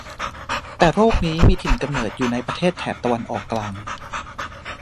แต่โรคนี้มีถิ่นกำเนิดอยู่ในประเทศแถบตะวันออกกลาง